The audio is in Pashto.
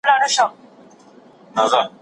طاعات مکافات يا د دوستۍ امتحانونه دي